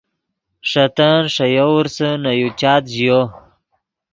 ݰے تن ݰے یوورسے نے یو چات ژیو۔